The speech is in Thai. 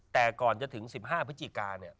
แต่ก่อนจะถึง๑๕พฤศจิกา